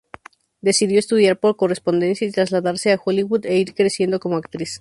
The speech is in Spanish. Decidió estudiar por correspondencia y trasladarse a Hollywood e ir creciendo como actriz.